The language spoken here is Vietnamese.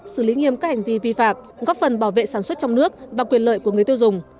xử lý nghiêm các hành vi vi phạm góp phần bảo vệ sản xuất trong nước và quyền lợi của người tiêu dùng